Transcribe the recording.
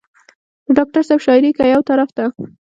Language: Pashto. د ډاکټر صېب شاعري کۀ يو طرف ته